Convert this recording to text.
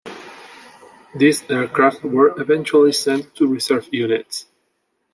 These aircraft were eventually sent to reserve units.